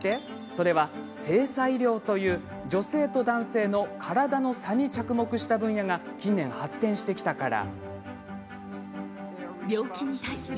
それは、性差医療という女性と男性の体の差に着目した分野が近年発展してきたから。